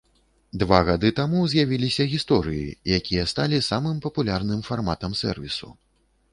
Два гады таму з'явіліся гісторыі, якія сталі самым папулярным фарматам сэрвісу.